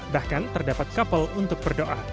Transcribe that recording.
bahkan terdapat kapel untuk berbicara